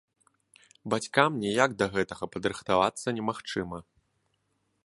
Бацькам ніяк да гэтага падрыхтавацца немагчыма.